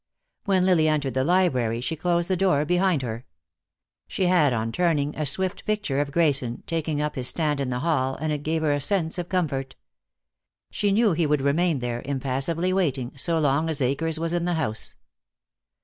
When Lily entered the library she closed the door behind her. She had, on turning, a swift picture of Grayson, taking up his stand in the hall, and it gave her a sense of comfort. She knew he would remain there, impassively waiting, so long as Akers was in the house.